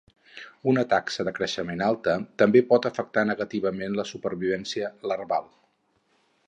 Una taxa de creixement alta també pot afectar negativament la supervivència larval.